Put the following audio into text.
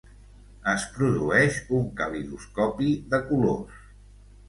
Es produeix un calidoscopi de colors.